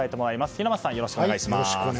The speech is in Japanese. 平松さん、よろしくお願いします。